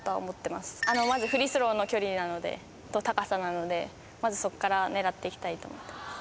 まずフリースローの距離なのでと高さなのでまずそこから狙っていきたいと思ってます